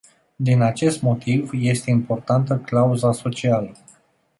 Din acest motiv este importantă clauza socială.